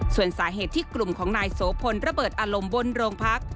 ส่วนสาเหตุที่กลุ่มของนายโสพลระเบิดอารมณ์บนโรงพัก